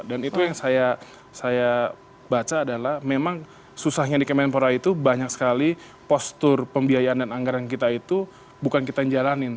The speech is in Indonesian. dan itu yang saya baca adalah memang susahnya di kemenpora itu banyak sekali postur pembiayaan dan anggaran kita itu bukan kita yang jalanin